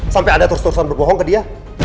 sampai anda terus terusan berbohong ke dia